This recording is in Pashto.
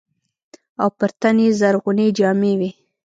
او پر تن يې زرغونې جامې وې.